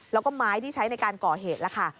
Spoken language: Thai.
แล้วก็ไม้ที่ใช้ในการก่อเหตุล่ะค่ะ